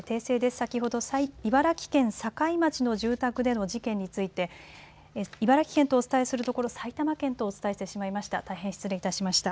先ほど、茨城県境町の住宅での事件について、茨城県とお伝えするところ埼玉県とお伝えしてしまいました。